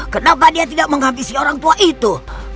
kenapa dia tidak menghabisi orang tua itu